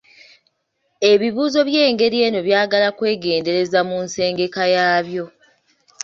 Ebibuuzo ebyengeri eno byagala kwegendereza mu nsengeka yaabyo.